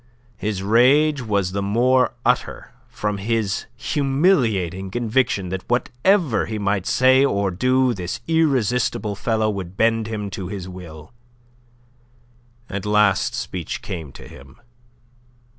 His rage was the more utter from his humiliating conviction that whatever he might say or do, this irresistible fellow would bend him to his will. At last speech came to him.